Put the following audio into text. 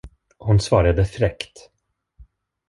Hon svarade fräckt.